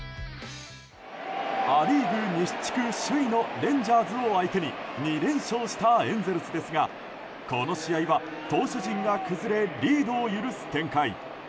ア・リーグ西地区首位のレンジャーズを相手に２連勝したエンゼルスですがこの試合は投手陣が崩れリードを許す展開。